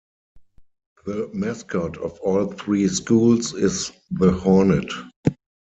The mascot of all three schools is the Hornet.